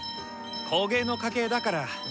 工芸の家系だから。